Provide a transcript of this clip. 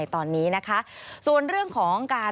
สวัสดีค่ะสวัสดีค่ะ